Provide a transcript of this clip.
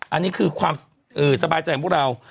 อันนี้คือความสบายใจของพวกเรา